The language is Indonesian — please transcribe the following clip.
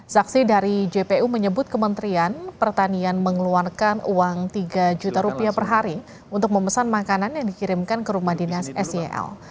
saksi dari jpu menyebut kementerian pertanian mengeluarkan uang tiga juta rupiah per hari untuk memesan makanan yang dikirimkan ke rumah dinas sel